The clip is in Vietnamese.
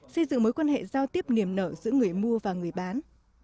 xây dựng mối quan hệ giao tiếp niềm nở giữa người mua và người bán